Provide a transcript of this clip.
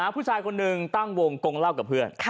ผู้ชายคนหนึ่งตั้งวงกงเล่ากับเพื่อน